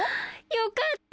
よかった！